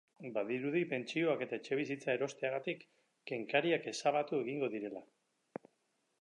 Badirudi pentsioak eta etxebizitza erosteagatik kenkariak ezabatu egingo direla.